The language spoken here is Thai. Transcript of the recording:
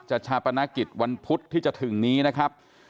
ชาปนกิจวันพุธที่จะถึงนี้นะครับ